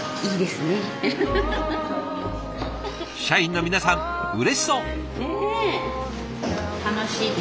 社員の皆さんうれしそう。